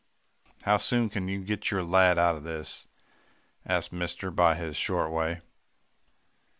"'How soon can you get your lad out of this?' asked mister in his short way.